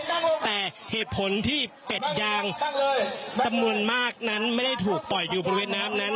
หลายแยพที่แป๊ดยางไม่ได้ถูกปล่อยข้างในรักษณ์ในพลังกายภาคนั้น